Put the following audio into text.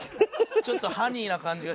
ちょっとハニーな感じがして。